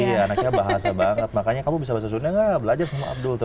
iya anaknya bahasa banget makanya kamu bisa bahasa sunda gak belajar sama abdul tuh